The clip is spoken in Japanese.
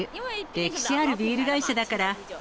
歴史あるビール会社だから。